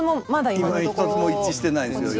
いまだに一つも一致してないですよね。